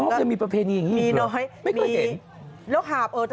นอกยังมีประเภนี้อย่างนี้